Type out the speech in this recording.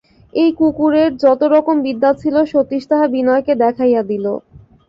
এই কুকুরের যতরকম বিদ্যা ছিল সতীশ তাহা বিনয়কে দেখাইয়া দিল।